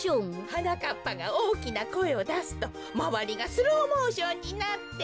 はなかっぱがおおきなこえをだすとまわりがスローモーションになって。